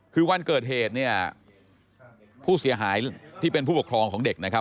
คือวันเกิดเหตุผู้เสียหายที่เป็นผู้ปกครองของเด็กนะครับ